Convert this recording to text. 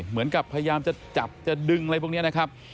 เหมือนกับพยายามจะจับจะดึงอะไรพวกนี้นะครับ